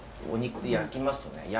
お肉焼きますね。